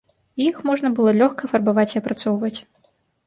Іх можна было лёгка фарбаваць і апрацоўваць.